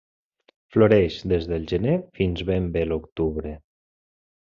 Floreix des del gener fins ben bé l'octubre.